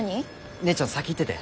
姉ちゃん先行ってて。